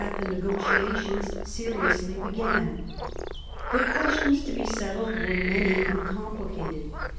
the negotiations seriously began. The questions to be settled were many and complicated.